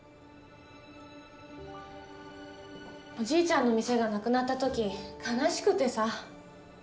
おじいちゃんの店がなくなった時悲しくてさ。